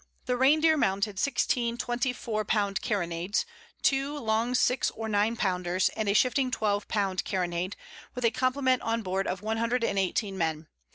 The Reindeer mounted sixteen twenty four pound carronades, two long six or nine pounders, and a shifting twelve pound carronade, with a complement on board of one hundred and eighteen men.